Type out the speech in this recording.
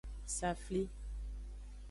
Safli.